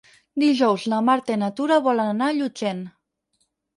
Dijous na Marta i na Tura volen anar a Llutxent.